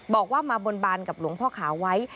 บอกว่ามาบนบานกับหลวงพ่อขาวไว้